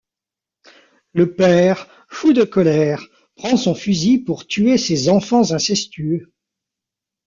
Le père, fou de colère, prend son fusil pour tuer ses enfants incestueux.